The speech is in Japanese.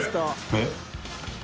えっ？